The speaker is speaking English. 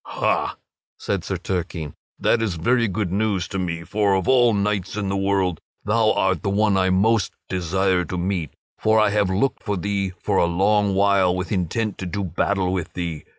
"Ha!" said Sir Turquine, "that is very good news to me, for of all knights in the world thou art the one I most desire to meet, for I have looked for thee for a long while with intent to do battle with thee.